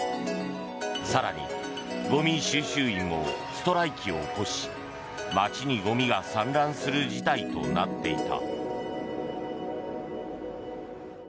更に、ゴミ収集員もストライキを起こし街にゴミが散乱する事態となっていた。